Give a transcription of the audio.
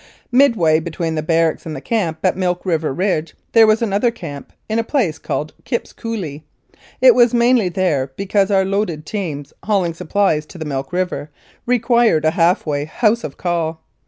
Midway between the barracks and the camp at Milk River Ridge there was another camp, in a place called Kipp's Coulee. It was mainly there because our loaded teams, hauling supplies to the Milk River, required a half way house of call.